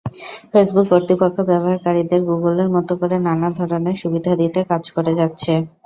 Facebook কর্তৃপক্ষ ব্যবহারকারীদের গুগলের মতো করে নানা ধরনের সুবিধা দিতে কাজ করে যাচ্ছে।